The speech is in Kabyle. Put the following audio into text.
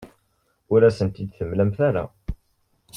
Ur asen-tt-id-temlamt ara.